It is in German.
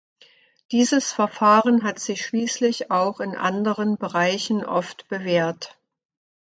Dieses Verfahren hat sich schließlich auch in anderen Bereichen oft bewährt.